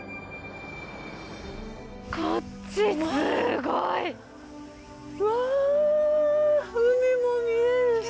こっちすごい。わ！